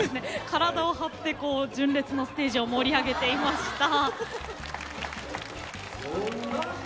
体を張って純烈のステージを盛り上げていました。